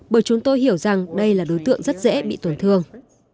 bởi chúng tôi hiểu rằng đây là đối tượng rất dễ bị tổn thương